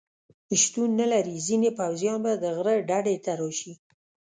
شتون نه لري، ځینې پوځیان به د غره ډډې ته راشي.